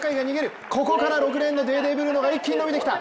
ここから６レーンのデーデー・ブルーノが一気に伸びてきた！